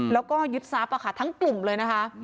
แล้วก็ยึดทรัพย์ทั้งกลุ่มเลยนะคะ